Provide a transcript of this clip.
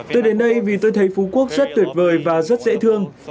tôi đến đây vì tôi thấy phú quốc rất tuyệt vời và rất dễ thương